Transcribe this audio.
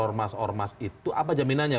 ormas ormas itu apa jaminannya